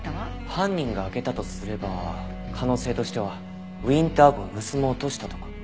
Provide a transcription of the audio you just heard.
犯人が開けたとすれば可能性としてはウィンター号を盗もうとしたとか。